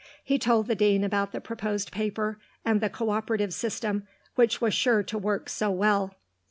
He told the Dean about the proposed paper and the co operative system, which was sure to work so well.